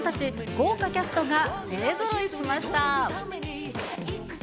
豪華キャストが勢ぞろいしました。